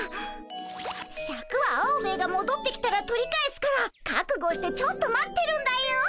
シャクはアオベエがもどってきたら取り返すから覚悟してちょっと待ってるんだよ。